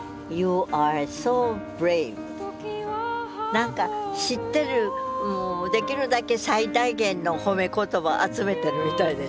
何か知ってるもうできるだけ最大限の褒め言葉集めてるみたいでしょ。